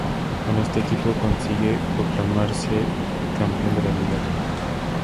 Con este equipo consigue proclamarse campeón de Liga.